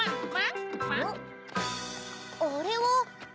あれは。